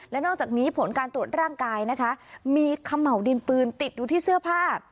และนอกจากนี้ผลการตรวจร่างกายนะคะมีเขม่าวดินปืนติดอยู่ที่เสื้อผ้า